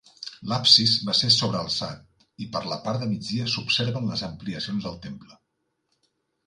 L'absis va ser sobrealçat, i per la part de migdia s'observen les ampliacions del temple.